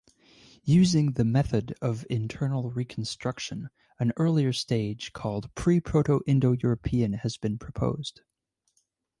Using the method of internal reconstruction an earlier stage, called Pre-Proto-Indo-European, has been proposed.